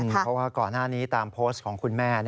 เพราะว่าก่อนหน้านี้ตามโพสต์ของคุณแม่